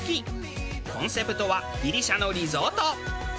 コンセプトはギリシャのリゾート。